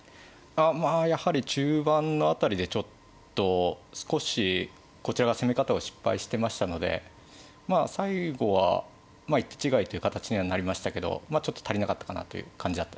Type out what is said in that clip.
まあやはり中盤の辺りでちょっと少しこちらが攻め方を失敗してましたのでまあ最後は一手違いという形にはなりましたけどまあちょっと足りなかったかなという感じだったですね。